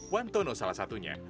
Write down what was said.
wantono salah satunya